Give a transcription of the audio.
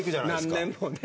何年もね。